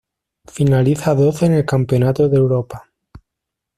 Finaliza doce en el campeonato de Europa.